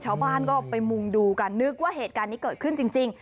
ชาวบ้านก็ไปมุงดูกันนึกว่าเหตุการณ์นี้เกิดขึ้นจริง